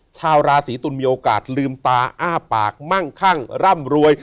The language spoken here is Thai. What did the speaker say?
ชาวราศีตุลมีโอกาสลืมตาอ้าปากมั่งคั่งร่ำรวย